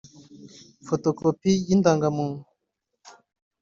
fotokopi y’indangamuntu